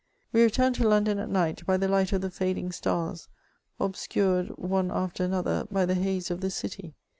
We returned to London at night, by the light of the fading stars, obscured one after another by the haze of the City.